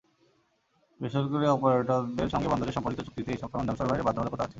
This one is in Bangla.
বেসরকারি অপারেটরদের সঙ্গে বন্দরের সম্পাদিত চুক্তিতে এসব সরঞ্জাম সরবরাহের বাধ্যবাধকতা আছে।